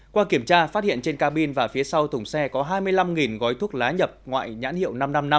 qua kiểm tra phát hiện trên cabin và phía sau thùng xe có hai mươi năm gói thuốc lá nhập ngoại nhãn hiệu năm trăm năm mươi năm